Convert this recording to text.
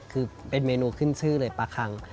คือเป็นเมนูขึ้นชื่อเลยปลาคัง